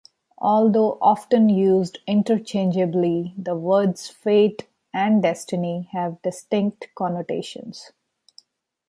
Although often used interchangeably, the words "fate" and "destiny" have distinct connotations.